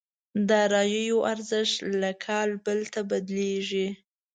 داراییو ارزښت له کال بل ته بدلېږي.